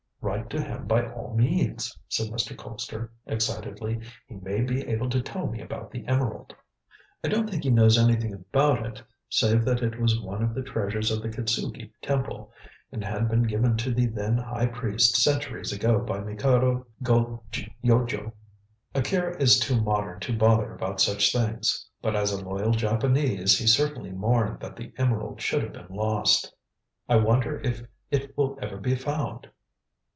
"Write to him by all means," said Mr. Colpster excitedly. "He may be able to tell me about the emerald." "I don't think he knows anything about it, save that it was one of the treasures of the Kitzuki Temple, and had been given to the then high priest centuries ago by Mikado Go Yojo. Akira is too modern to bother about such things. But as a loyal Japanese, he certainly mourned that the emerald should have been lost. I wonder if it will ever be found?"